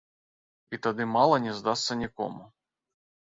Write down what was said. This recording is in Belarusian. І тады мала не здасца нікому.